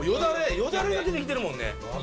よだれが出てきてるもんね。